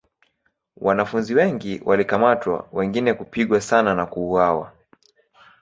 Wanafunzi wengi walikamatwa wengine kupigwa sana na kuuawa.